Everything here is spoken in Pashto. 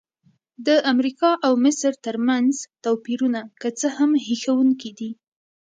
د امریکا او مصر ترمنځ توپیرونه که څه هم هیښوونکي دي.